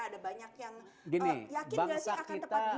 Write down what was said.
ada banyak yang yakin gak sih akan tepat guna